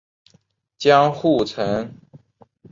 江户城。